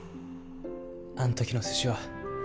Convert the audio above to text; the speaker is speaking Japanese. あん時の寿司は